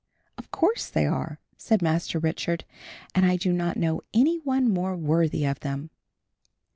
"Of course they are," said Master Richard, "and I do not know any one more worthy of them."